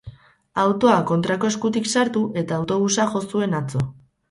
Autoa kontrak eskutik sartu eta autobusa jo zuen atzo.